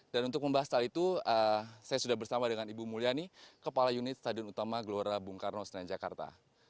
dan untuk membahas hal itu saya sudah bersama dengan ibu mulyani kepala unit stadion utama gelora bung karno senayan jakarta